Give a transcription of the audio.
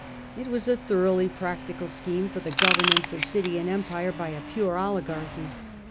It was a thoroughly practical scheme for the governance of city and empire by a pure oligarchy.